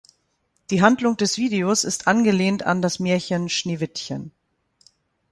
Die Handlung des Videos ist angelehnt an das Märchen "Schneewittchen".